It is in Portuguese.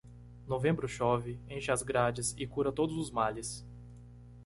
Novembro chove, enche as grades e cura todos os males.